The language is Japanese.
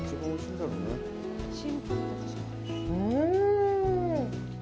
うん！